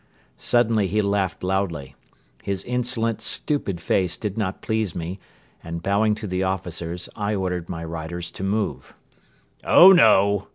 Suddenly he laughed loudly. His insolent, stupid face did not please me and, bowing to the officers, I ordered my riders to move. "Oh no!"